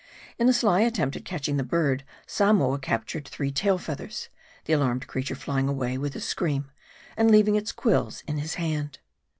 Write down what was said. In a sly attempt at catching the bird, Samoa captured three tail feathers ; the alarmed creature flying away with a scream, and leaving its quills in his hand.